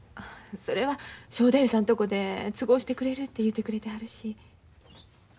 それは正太夫さんとこで都合してくれると言うてくれてはるし。